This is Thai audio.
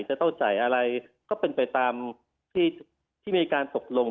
จะต้องจ่ายอะไรก็เป็นไปตามที่มีการตกลง